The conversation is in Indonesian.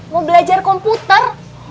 mau belajar komputer